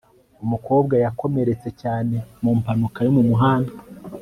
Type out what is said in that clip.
umukobwa yakomeretse cyane mu mpanuka yo mu muhanda